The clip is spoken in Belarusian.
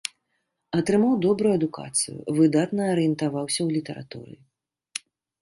Атрымаў добрую адукацыю, выдатна арыентаваўся ў літаратуры.